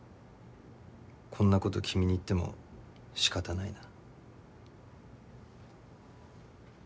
こんなこと君に言ってもしかたないな。